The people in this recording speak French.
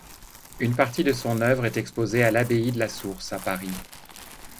Une partie de son œuvre est exposée à l'Abbaye de la Source, à Paris.